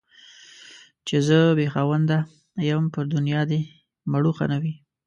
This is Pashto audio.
چي زه بې خاونده يم ، پر دنيا دي مړوښه نه وي.